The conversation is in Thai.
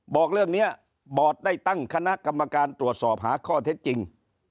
บอกเรื่องนี้บอร์ดได้ตั้งคณะกรรมการตรวจสอบหาข้อเท็จจริง